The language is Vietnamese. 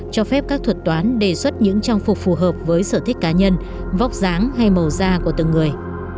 cho phép các thuật toán đề xuất những trang phục phù hợp với sở thích cá nhân vóc dáng hay màu da của từng người